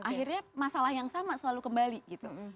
akhirnya masalah yang sama selalu kembali gitu